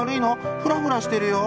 フラフラしているよ。」。